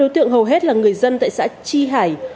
tổng trị giá là hai cây